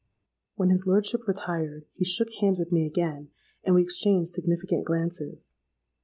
"When his lordship retired, he shook hands with me again, and we exchanged significant glances.